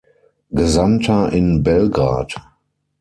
Gesandter in Belgrad.